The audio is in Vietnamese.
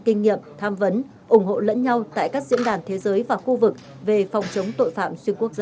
kinh nghiệm tham vấn ủng hộ lẫn nhau tại các diễn đàn thế giới và khu vực về phòng chống tội phạm xuyên quốc gia